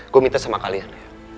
gue minta sama kalian